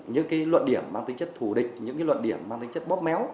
những luận điểm mang tính chất thù địch những luận điểm mang tính chất bóp méo